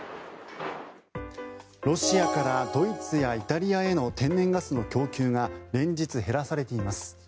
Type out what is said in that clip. ロシアから、ドイツやイタリアへの天然ガスの供給が連日、減らされています。